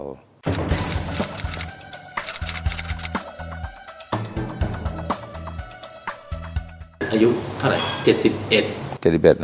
อายุเท่าไหน๗๑